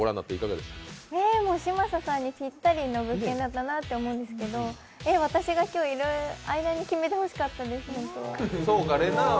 嶋佐さんにぴったりの物件だったなと思うんですけど、私が今日いる間に決めてほしかったです、ホントは。